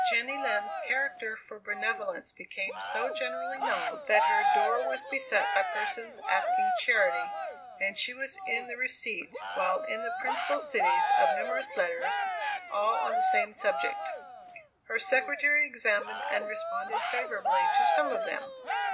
Jenny Lind's character for benevolence became so generally known, that her door was beset by persons asking charity, and she was in the receipt, while in the principal cities, of numerous letters, all on the same subject. Her secretary examined and responded favorably to some of them.